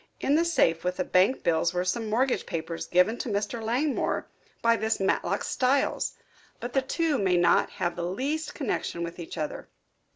In the safe with the bankbills were some mortgage papers given to Mr. Langmore by this Matlock Styles. But the two may not have the least connection with each other."